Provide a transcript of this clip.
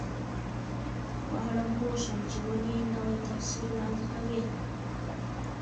غواړم پوه شم چې ولې نوی تفسیر وړاندې کوي.